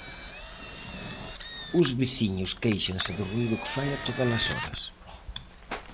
Os veciños quéixanse do ruído que fai a todas as horas.